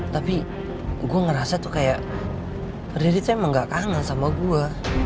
tapi gue ngerasa tuh kayak riri tuh emang nggak kangen sama gue